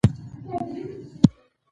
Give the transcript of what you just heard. تبر په شدت ټيټ شو.